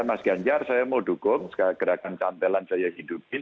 mas ganjar saya mau dukung gerakan cantelan saya hidupin